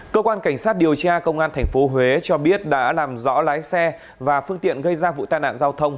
cơ quan cảnh sát điều tra công an tp huế cho biết đã làm rõ lái xe và phương tiện gây ra vụ tai nạn giao thông